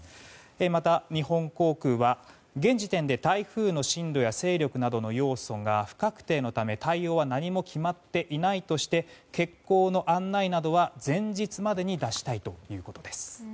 また、日本航空は現時点で台風の進路や勢力などの要素が不確定のため対応は何も決まっていないとして欠航の案内などは前日までに出したいということです。